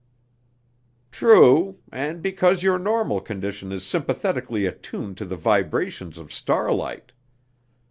"True, and because your normal condition is sympathetically attuned to the vibrations of starlight.